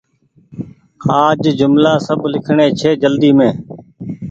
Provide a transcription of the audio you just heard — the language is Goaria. آج جملآ سب لکڻي ڇي جلدي مين ۔